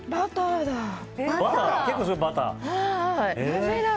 バターだ。